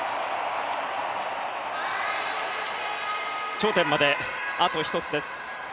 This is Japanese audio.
頂点まであと１つです。